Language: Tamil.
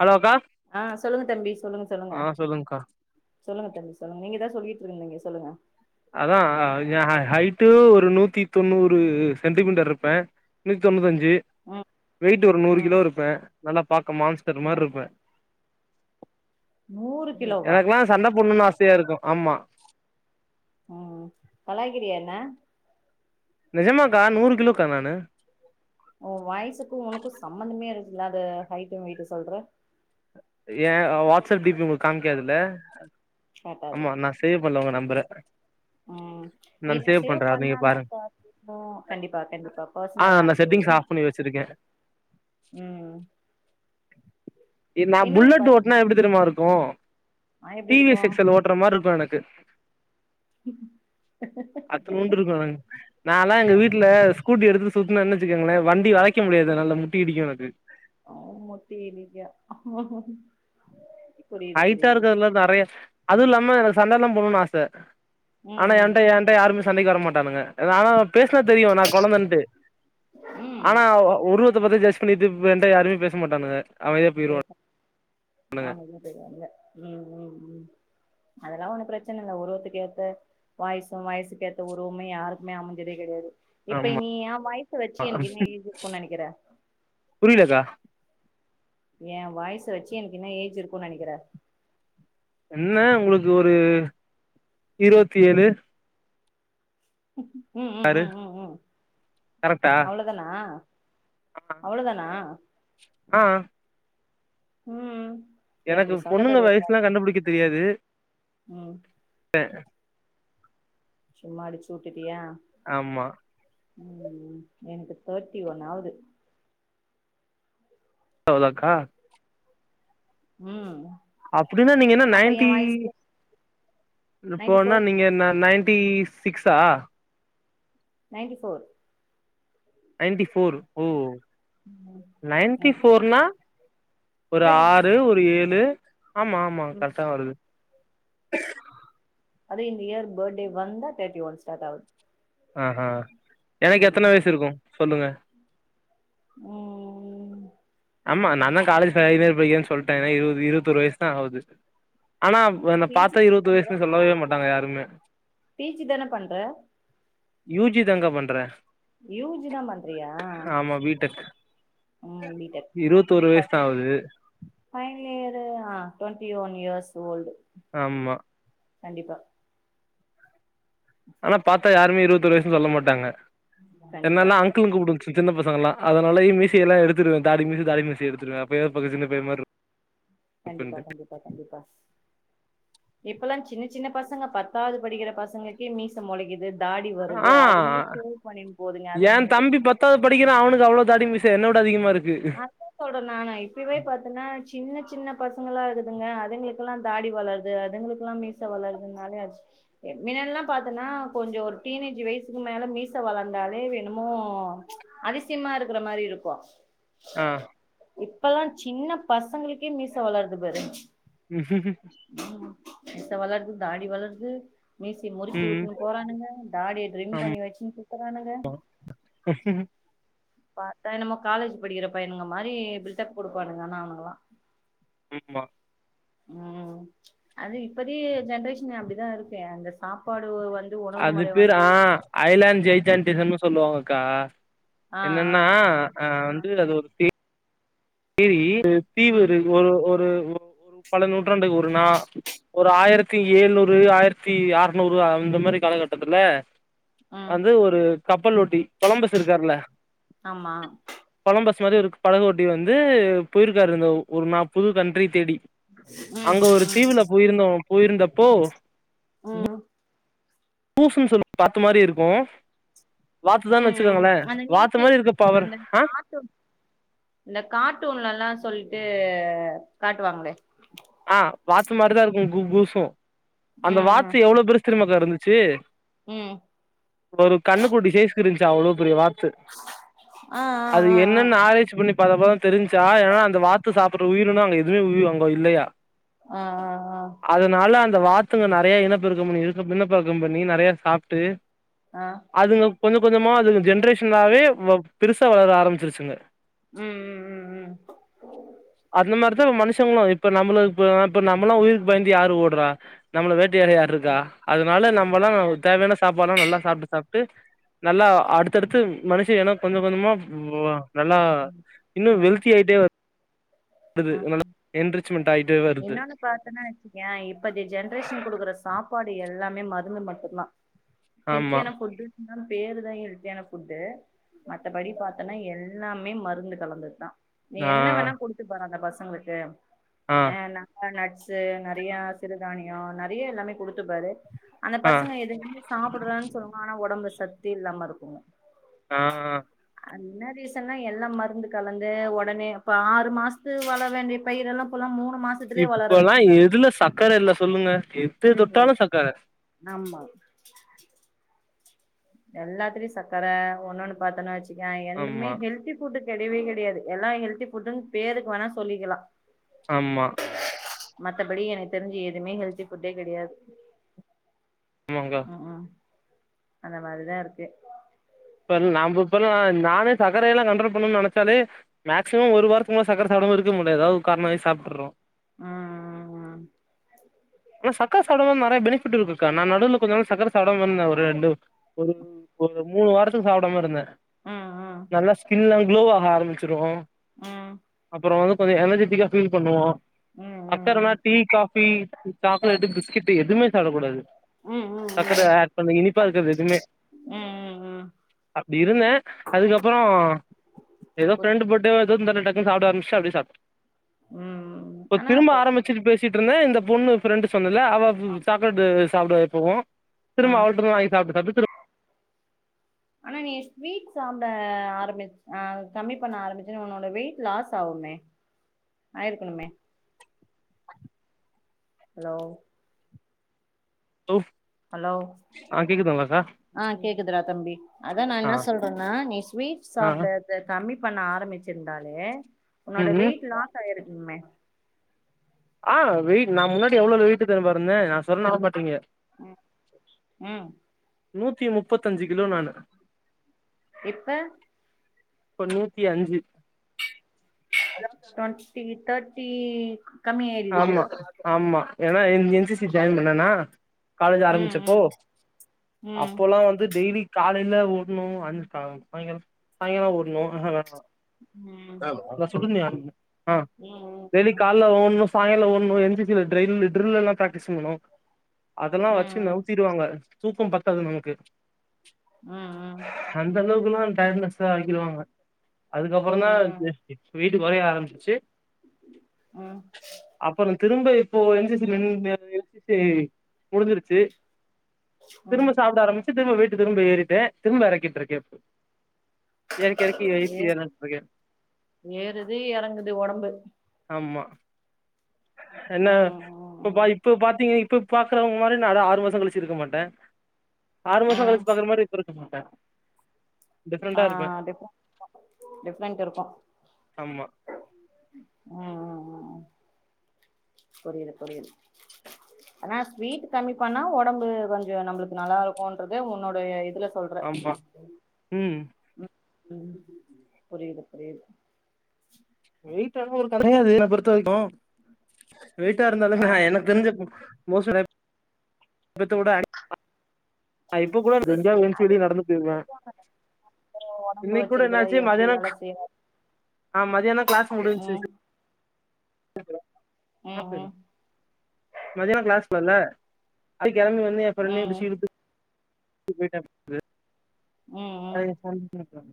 ஹலோ அக்கா ஆ சொல்லுங்க தம்பி சொல்லுங்க சொல்லுங்க சொல்லுங்க தம்பி சொல்லுங்க நீங்கதா சொல்லிட்ருந்தீங்க சொல்லுங்க அதா அ எ ஹ ஹைட்டு ஒரு நூத்தி தொண்ணூறு சென்டிமீட்டர் ருப்பே நூத் தொன்னுத்தஞ் சி ம் வெயிட்டு ஒரு நூறு ம் கிலோ இருப்பே நல்லா பாக்க மான்ஸ்டர் என்ன மார்ருப்பே நூறு கிலோவா எனக்லா சண்ட போட்னுனு ஆசையா இருக்கு ஆம்மா ம் கலாய்க்கிறியா என்ன நெஜமாக்கா நூறு கிலோக்கா நானு ஒ வாய்சுக்கு உனக்கு சம்பந்தமே இல்லாத ஹைட்டு வெய்ட்டு சொல்ற ஏ வாட்ஸ்அப் டி பி உங்ளுக்கு காமிக்காதுல கேட்டாது ஆம்மா நா சேவ் பண்ணல உங்க நம்பற ம் ஏ சேவ் பண்ணாதா பாருங்க [unintelligible] உ கண்டிப்பா கண்டிப்பா ஆ பர்சனலா நா செட்டிங்ஸ் அனுபிவிடுங்க ஆஃப் பண்ணி வச்சிருக்கே ம் நா இன்னொன்னு புல்லட் பாத்து ஓட்னா எப்டி தெரியுமா இருக்கு ஆ எப்டி டி வி இருக்கு எஸ் எக்ஸ் எல் ஓட்ற மாரி இருக்கு எனக்கு [unintelligible] அத்துன்னுடு இருக்கு [unintelligible] நால்லா எங்க வீட்ல ஸ்கூட்டி எடுத்து சுத்துனனு வச்சுக்கங்ளே வண்டி வளைக்க முடியாது என்னால முட்டி இடிக்கு எனக்கு அவொ மொட்டை அடிக்க ஹைட்டா இருக்குதுல நெறைய அதுவு இல்லாம எனக்கு சண்டல்லா போண்ணுன்னு ஆச ம் ஆனா ம் என்ட ஏன் என்ட யாருமே சண்டைக்கு வர மாட்டானுங்க நா ஆனா பேசனா தெரியு நா கொழந்தைன்ட்டு ம் ஆனா உ உருவத்த பத்தி ஜெட்ஷ்பன்னிட்டு வேண்டா யாருமே பேச மாட்டானுங்க அமைதியா போயிருவா அமைதியா போயிருவாங்கே ம் ம் ம் அதெல்லா ஒன்னு பிரச்சன இல்ல உருவத்துக்கு ஏத்த வய்சு வய்சுக்கேத்த உருவுமே யாருக்குமே அமைஞ்சதே கெடையாது இப்ப ஆமா நீ எ வாய்ஸ்ச வச்சு எனக்கு என்ன ஏஜ் இருக்கு நெனைக்கிற புரியலக்கா எ வாய்ஸ் வச்சு எனக்கு என்ன ஏஜ் இருக்கு நெனைக்கிற என்ன உங்களுக்கு ஒரு இருவத்தேழு ம் ம் ம் ம் கரெக்டா அவ்ளோ தானா அவ்ளோ தானா ஆ ம் எனக்கு எப்டி சொன்ன பொண்ணுங்க பாரு ஒரு வார் வாய்ஸ்ல்லா கண்டுபிடிக்க தெரியாது ம் சும்மா அடிச்சு விட்டுட்டியா ஆமா ம் எனக்கு தேர்ட்டி ஒன் ஆவ்து அவ்லோகா ம் அப்டின்னா நீங்க என்ன அப்ப ஏ நைன்ட்டி வயசுக்கு இப்போ நைன்டி என்ன ஃபோர் நீங்க நைன்டீஸ் சிக்ஸா நைன்டி ஃபோர் நைன்டி போர் ஓ ம் நைன்டி போர்னா ஒரு தேர்ட்டி ஆறு ஒரு ஏழு ஆமா ஆமா ம் கரெக்டா வருது அது இந்த இயர் பர்டே வந்தா தேர்டி ஒன் சாட் ஆகுது ஆஹா எனக்கு ம் எத்தன வயசு இருக்கு சொல்லுங்க ம். ஆமா நா தா காலேஜ் ஃபைனல் படிக்கிறே சொல்லிட்டே ஏன்னா இருவது இருவத்தொடு வயசு தா ஆகுது ஆனா இப்ப என்ன பி ஜி பாத்தா இருவத்தொடு பண்ற வயசுன்னு சொல்லவே மாட்டாங்க யாருமே பி ஜி தான பண்ற யூ ஜி தாங்க பண்ற யூ ஜி தா பண்றியா பி டெக் இருவத்தொரு வயசுதா [unintelligible] ஆவுது ஃபைனல் இயர்ரு ஆ டொவன்ட்டி ஒன் இயர்ஸ் ஓல்டு ஆமா கண்டிப்பா ஆனா பாத்தா யாருமே இருவத்தி ஓரு வயசுன்னு சொல்ல மாட்டாங்க கண்டிப்பா என்னல்ல அங் அங்கிள்னு கூப்பிடுவாங்க சின்ன பசங்கல்லா அதனாலய மீச எல்லா எடுத்துருவே தாடி மீச தாடி மீசய எடுத்துருவே அப்டியே பக்கத்து வீட்டு பைய மாரி இருப்பே கண்டிப்பா கண்டிப்பா கண்டிப்பா இப்பல்லா சின்ன சின்ன பசங்க பத்தாது படிக்கிற பசங்கள்கே மீச மொளைக்கிது தாடி வருது ஆ அதுங்ளே சேவ் பண்ணிண் போதுங்க ஏ அதுங்கன்ட்டு தம்பி பத்தாவது படிக்கிறா அவனுக்கு அவ்வளோ தாடி மீச என்னோட அதிகமாயிருக்கு. அதா சொல்ற நானு இப்பவே பாத்தன்னா சின்ன சின்ன பசங்களாருக்குங்க அதுங்களுக் இப்பல்லா தாடி வளருது அதுங்களுக்லா மீச வளருதுனாலே அ மின்னலாம் பாத்தன்னா கொஞ்ச ஒரு டீனேஜ் வயசுக்கு மேல மீச வளந்தாலே எண்ணுமோ அதிசயமாயிருக்குற மாரி இருக்கும் ஆ இப்பல்லா சின்ன பசங்களுக்கே மீச வளறது பாரு. ம் ஹு ம். மீச வளருது தாடி வளருது மீசைய முறிக்கி ம் வுட்டுன்னு போறானுங்க தாடிய ட்ரிம் பண்ணி வச்சுன்னு சுத்துறானுங்க ம் ஹு ம் பாத்தா என்னமோ காலேஜ் படிக்கிற பையனுங்க மாரி பில்டப் குடுப்பானுங்க ஆனா அவனுங்களா ம் பா ம் அது இப்பதி ஜென்ரேஷன் அப்படிதா இருக்கே அந்த சாப்பாடு வந்து உணவு அது முறை பேரு வந்து ஆ ஐலாண்ட் ஜெய் ஜாண்டேசன்னு சொல்லுவாங்கக்கா ஆ ஆ என்னன்னா ஆ வந்து அது சேரீ தீவு ம் ஒரு ஒரு ஒரு ஒ பல நூற்றாண்டுக்கு ஒரு நா ஒரு ஆயிரத் தி ஏழ்நூறு ஆயிரத்தி ஆர்நூறு அந்த மாதிரி காலக்கட்டத்துல ம் அது ஒரு கப்பலோட்டி கொலம்பஸ் இருக்காருல்ல. ஆமா கொலம்பஸ் மாதிரி ஒரு படகோட்டி வந்து போயிருக்காரு அந்த ஒரு நா புது கண்ட்ரி தேடி. ம் அங்க ம் ஒரு ம் தீவுல போயிருந்தோ போயிருந்தப்போ ம் பூஃப்புன் சொல்லி வாத்து மாரி இருக்கும் வாத்துதான்னு ம் ம் வச்சுக்கோங்களே அந்த வாத்து நீட்டு மாரி இருக்கு பவர் அந்த அ கார்ட்டூன் இந்த கார்ட்டூன்லல்லா சொல்ட்டு காட்டுவாங்களே ஆ வாத்து மாதிரிதா இருக்கும் [unintelligible] அந்த ம் வாத்து ம் எவ்வளோ பெருஸ்தெரிம்மாக்கா இருந்துச்சு ம் ஒரு கண்ணுக்குட்டி சைஸ்கு இருந்துச்சு அவ்வளோ பெரிய வாத்து. ஆ அது ஆ ஆ என்னன்னு ஆராய்ச்சிப் பண்ணி அப்பதாப்பதா தெரிஞ்சா ஏன்னா அந்த வாத்து சாப்புட்ற உயிருன அங்க எதுவேஉய்யே அங்க இல்லையா ஆ ஆ ஆ அதுனால அந்த வாத்துங்க நெறைய இனப்பெருக்கம் பண்ணி இனப்பெருக்கம் பண்ணி நெறையா சாப்ட்டு ஆ அதுங்க கொஞ்ச கொஞ்சமா அதுங்க ஜென்ரேஷன்லாவே வ பெருசா வளர ஆரமிச்சிருச்சுங்க ம் ம் ம் ம் ம் அந்த மாரிதா மனுஷங்களு இப்ப நம்மளுக் இப்ப நா நம்மல்லா உயிருக் பயந்து யாரு ஓடுறா நம்மள வேட்டயாட யார் இருக்கா ம் அதனால நம்மல்லா யா தேவையான சாப்பாடுல்லா நல்லா சாப்ட்டு சாப்ட்டு நல்லா அடுத்தடுத்து மனுஷ எனம் கொஞ்சம் கொஞ்சமா புவா நல்லா ம் இன்னு ம்ஹும் வெல்த்தி ஆயிட்டே வரு வருது ம் நல்லா என்ரிச்மெண்ட் ஆயிட்டு வருது இன்னொன்னு பாத்தன்னா வச்சக்கிய இப்பேத்திய ஜென்ரேஷன் குடுக்குற சாப்பாடு எல்லாமே மருந்து மட்டுந்தா ஆமா ஹெல்த்தியான ஃபுட்டுன்னா பேரு தா ஹெல்த்தியான ஃபுட்டு மத்தபடி பாத்தனா எல் லாமே மருந்து கலந்தத்தா நீ ஆ என்ன வேணா குடுத்துப்பார அந்த பசங்ளுக்கு ஆ ஏன ந நட்ஸ்சு நறையா சிறுதானியோ நறைய எல்லாமே குடுத்துப்பாரு அந்த ஆ பசங்க எதுந்து சாப்பட்றன் சொல்லுவான் ஆனா உடம்புல சத்தே இல்லாம இருக்குங்க ஆ அன்னரி எல்லா எல்லா மருந்து கலந்து உடனே இப்ப ஆறு மாசத்து வள வேண்டிய பயிரெல்லா இப்போலா மூணு மாசத் இப்பல்லா எதுல சர்க்கர இல்ல சொல்லுங்க எது ம் தொட்டாலு சர்க்கர ஆமா எல்லாத்திலி சக்கர ஒன்னொன்னு பாத்தோன்னா வச்சுக்கே எந்தமே ஆமா ஹெல்தி ஃபுட்டு கெடையவே கெடையாது எல்லா ஹெல்தி ஃபுட்டுன்னு பேருக்கு வேணா சொல்லிக்லா ஆமா மத்தபடி எனக்கு தெரிஞ்சு எதுமே ஹெல்த்தி ஃபுட்டே கெடையாது ஆமாங்கா ம் ம் அந்த மாரிதா இருக்கு இப்ப நாம இப்பல்லா நானே சக்கரையெல்லா கன்ட்ரோல் பண்ணனுன் நெனச்சாலே மேக்சிமம் ஒரு வார்த்துக்மேல சக்கர சாப்டாம இருக்க முல்ல ஏதாவது ஒரு கார்ணம் ஆயி சாப்ட்டுர்றோ ம் ம் ம் ஆனா சக்கர சாப்டாம நறைய பெனிஃபிட் இருக்குக்கா நா நடுல கொஞ்ச நாள் சக்கர சாப்டாம இருந்த ஒரு ரெண்டு ஒரு ஒரு மூணு வாரத்துக் சாப்டாம இருந்தே ம் நல்லா ஸ்கின்லா குளோ ஆக ஆரம்பிச்சிரு ம் அப்புறோ வந்து கொஞ்ச எனர்ஜெட்டிக்கா ஃபீல் பண்ணுவோ ம் ம் ம் சக்கர னா டீ காஃபி சாக்லேட்டு பிஸ்கெட்டு எதுமே சாப்டக்கூடாது ம் ம் சக்கர ஆட் பண்ணு இனிப்பா இருக்கிறது எதுமே ம் ம் ம் அப்டி இருந்தே அதுக்கப்புறோ ஏதோ புரி ஃப்ரெண்டு போட்டு ஏதோ [unintelligible] டக்கு டக்கு சாப்ட ஆரம்பிச்சு அப்டே சாப்ட்ட ம் இப்ப ஆனா திரும்ப அப்ப ஆரம்பிச்சிட்டு பேசிட்டு இருந்தே இந்த பொண்ணு ஃப்ரெண்டு் சொன்னல அவ ஆ சாப் [unintelligible] சாப்டுவா எப்பவு ஆ திரும்ப அவள்ட்ட இருந்து வாங்கி சாப்ட்டு சாப்ட்டு திரும் ஆனா நீ ஸ்வீட் சாப்ட ஆரம்பிச் அ கம்மி பண்ண ஆரம்பிச்சோனே உன்னோட வெயிட் லாஸ் ஆவுமே ஆயிருக்குணுமே ஹலோ தோ ஹலோ ஆ கேக்குதுங்ளா ச ஆ கேக்குதுடா தம்பி அதா நா ஆ என்ன சொல்றன்னா நீ ஸ்வீட் ஆ சாப்ட அத கம்மி பண்ண ஆரம்பிச்சிருந்தாலே உன்னோட ம் ம் வெயிட் லாஸ் ஆயிருக்மே ஆ வெயிட் நா முன்னாடி எவ்ளோ வெயிட்டு தெரிமா இருந்த நா சொன்னா நம் மாட்டிங்க ம் ம் நூத்தி முப்பத்தஞ்சு கிலோ நானு இப்ப இப்ப நூத்தி அஞ்சு டொன்டி தேர்டி ஆமா ஆமா ஏன்னா என் என் சி சி ஜாயின் பண்ணனா காலேஜ் ம் ஆரம்பிச்சப்போ, ம் ம் அப்போலா வந்து டெய்லி காலையில ஓடுனு அஞ்சி க சாயங்கால சாய்ங்கால ஓடுனு ஆஹ விளாட்னு ம் அதா அதா சொன்னனே ஆ ம் டெய்லி கால்ல ஓடுனு சாயிங்கால ஓடுனு என் சி சி ல ட்டெயிலு ட்ரில்லு எல்லா ப்ராக் ட்ங்கணு அதெல்லா வச்சு ம் நவுத்திடுவாங்க தூக்க பத்தாது நமக்கு ம், ம் அந்த அளவுக்குல்லா டயடுனஸ் ஆகிடுவாங்க அதுக்கப் அப்பறதா ம் வெய்ட்டு கொறைய ஆரம்பிச்சுச்சு ம் அப்பறோ திரும்ப இப்போ என் சி சி ல நின்னு என் சி சி முடிஞ்சிருச்சு ம் திரும்ப சாப்பிட ஆரம்பிச்சு திரும்ப வெய்ட்டு திரும்ப ஏறிட்டே திரும்ப எறக்கிட்டு இருக்க இப்போ எறக்கி எறக்கி வெயிட் ஏ ஏற ஏறுது எறங்குது ஒடம்பு ஆமா என்ன ம் இப்ப பா ம் இப்ப பாத்தீங்க இப்ப பாக்குறவங்க மாரி நா அது ஆறு மாச கழிச்சு இருக்க மாட்ட ஆறு மாச ம் கழிச்சு பாக்குற மாரி இப்ப இருக்க மாட்ட ஆ, ஆ டிஃப்ரெண்டு இருக்கு, ஆமா டிஃப்ரென்ட் இருக்கு ம், ம், ம் புரியிது புரியிது ஆனா ஸ்வீட் கம்மி பண்ணா ஒடம்பு கொஞ்சோ நம்மளுக்கு நல்லா இருக்குன்றது உன்னுடைய இதுல சொல் மா, ம் ம், ம் புரியுது புரியுது வெயிட் எல்லா ஒரு கடையாது என்ன பொறுத்த வரைக்கு வெயிட்டா இருந்தாலுமே ஆ நா எனக்கு தெரிஞ்சு மோஸ்ட்லி தூக்கத்த வுட அடி நா இப்ப கூட [unintelligible] வெளிய நடந்து போயிடுவ ஒடம்பு இன்னைக்கி கூட வச்சிருக்கிற என்னாச்சு எப்டி மதியானோ வேல செய்ற மதியானோ கிளாஸ் முடிஞ்ச்சு ம் ம் ம் மதியான கிளாஸ் இல்லல்ல அது கெளம்பி வந் து எ ஃப்ரெண்டையு ம் புடிச்சு இழுத்து கூட்டு போய்ட்ட ம், ம் போயிட்டே